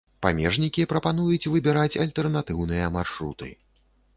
Памежнікі прапануюць выбіраць альтэрнатыўныя маршруты.